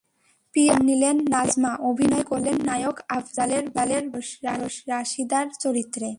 পিয়ারী নাম নিলেন নাজমা, অভিনয় করলেন নায়ক আফজালের বোন রাশিদার চরিত্রে।